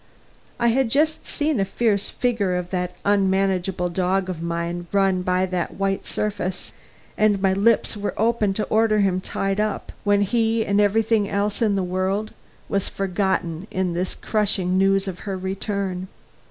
I had just seen the fierce figure of that unmanageable dog of mine run by that white surface, and my lips were open to order him tied up, when he, and everything else in this whole world, was forgotten in this crushing news of her return.